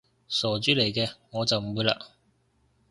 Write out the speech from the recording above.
傻豬嚟嘅，我就唔會嘞